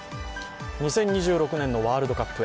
２０２６年のワールドカップへ。